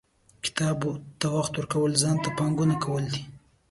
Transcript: • کتاب ته وخت ورکول، ځان ته پانګونه کول دي.